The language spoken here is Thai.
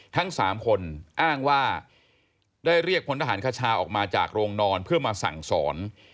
ทั้ง๓คนอ้างว่าได้เรียกพลทหารคชาออกมาจากโรงนอนเพื่อมาสั่งสอน